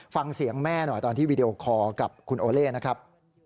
ฟังเสียงแม่หน่อยตอนที่วีดีโอคอร์กับคุณโอเล่นะครับ